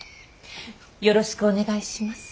よろしくお願いします。